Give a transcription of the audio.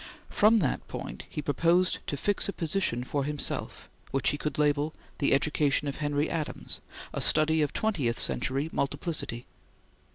From that point he proposed to fix a position for himself, which he could label: 'The Education of Henry Adams: a Study of Twentieth Century Multiplicity.'